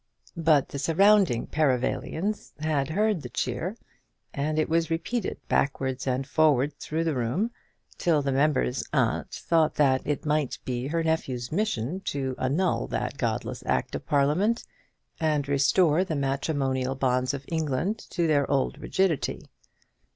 But the surrounding Perivalians had heard the cheer, and it was repeated backwards and forwards through the room, till the member's aunt thought that it might be her nephew's mission to annul that godless Act of Parliament, and restore the matrimonial bonds of England to their old rigidity.